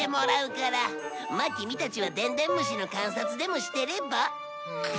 まあキミたちはでんでん虫の観察でもしてれば？